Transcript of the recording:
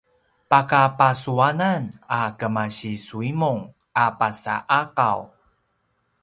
pakabasuanan a kemasiSuimung a pasa’Akaw